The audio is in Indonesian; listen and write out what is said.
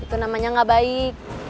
itu namanya gak baik